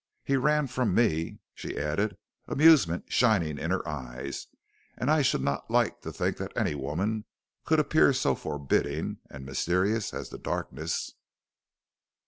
He ran from me," she added, amusement shining in her eyes, "and I should not like to think that any woman could appear so forbidding and mysterious as the darkness."